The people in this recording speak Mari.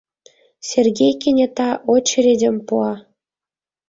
Сергей кенета очередьым пуа.